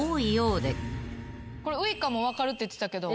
これウイカも分かるって言ってたけど。